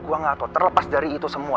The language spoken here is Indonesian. gue gak tau terlepas dari itu semua